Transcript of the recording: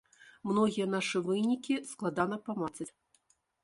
Многія нашы вынікі складана памацаць.